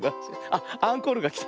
あっアンコールがきた。